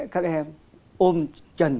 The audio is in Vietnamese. các em ôm chần